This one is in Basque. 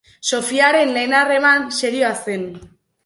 Sofiaren lehen harreman serioa zen.